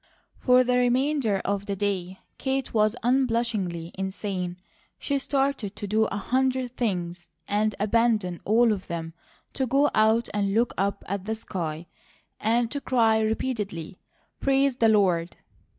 For the remainder of the day Kate was unblushingly insane. She started to do a hundred things and abandoned all of them to go out and look up at the sky and to cry repeatedly: "Praise the Lord!"